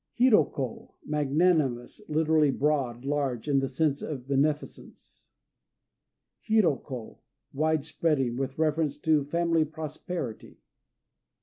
Hiro ko "Magnanimous," literally, "broad," "large," in the sense of beneficence. Hiro ko "Wide Spreading," with reference to family prosperity.